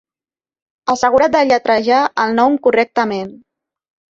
Assegura't de lletrejar el nom correctament.